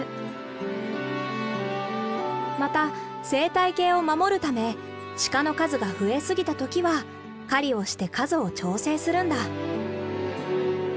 また生態系を守るためシカの数が増えすぎた時は狩りをして数を調整するんだ。